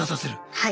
はい。